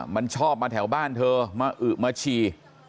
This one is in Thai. มันชอบมาแถวบ้านเธอมาอึมาฉี่